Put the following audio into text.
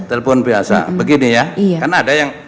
telepon biasa begini ya karena ada yang